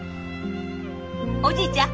おじいちゃん？